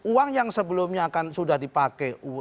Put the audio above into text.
uang yang sebelumnya akan sudah dipakai untuk kepentingan